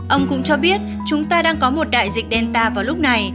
ông cũng cho biết chúng ta đang có một đại dịch delta vào lúc này